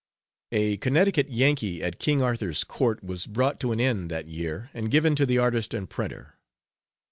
A Connecticut Yankee at King Arthur's Court was brought to an end that year and given to the artist and printer.